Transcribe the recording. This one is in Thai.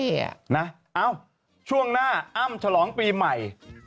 เอ้าช่วงหน้าอ้ำฉลองปีใหม่